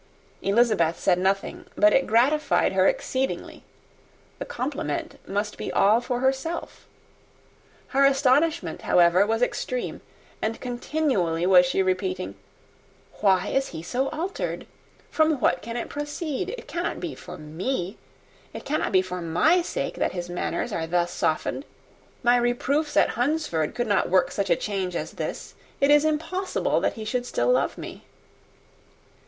Elizabeth said nothing, but it gratified her exceedingly; the compliment must be all for herself. Her astonishment, however, was extreme; and continually was she repeating, "Why is he so altered? From what can it proceed? It cannot be for me, it cannot be for my sake that his manners are thus softened. My reproofs at Hunsford could not work such a change as this. It is impossible that he should still love me."